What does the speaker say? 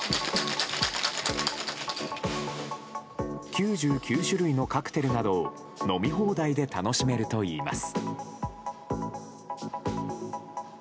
９９種類のカクテルなどを飲み放題で楽しめるといいます。